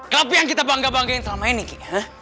tapi yang kita bangga banggain terlamain nih ki